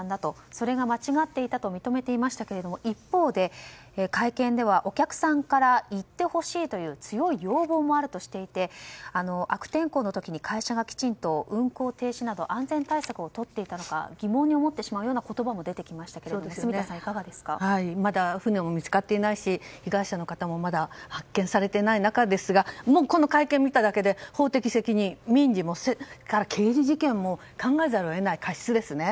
それが間違っていたと認めていましたが一方で、会見ではお客さんから行ってほしいという強い要望もあるとしていて悪天候の時に会社がきちんと運航停止など安全対策をとっていたのか疑問に思ってしまうような言葉も出てきましたが、住田さんまだ、船も見つかっていないし被害者の方もまだ発見されていない中ですがこの会見を見ただけで法的責任、民事も刑事事件も考えざるを得ない過失ですね。